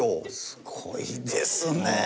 すごいですねえ。